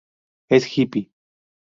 Es hippie.